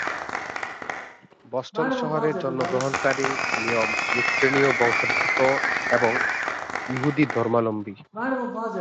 Boston শহরে জন্ম গ্রহণকারী নিময় ইউক্রেনীয় বংশোদ্ভূত, এবং ইহুদী ধর্মাবলম্বী।